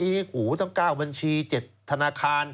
โอ้โฮต้องก้าวบัญชี๗ธนาคาร